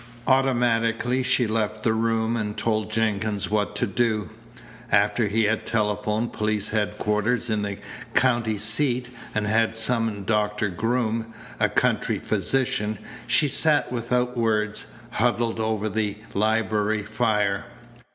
Automatically she left the room and told Jenkins what to do. After he had telephoned police headquarters in the county seat and had summoned Doctor Groom, a country physician, she sat without words, huddled over the library fire.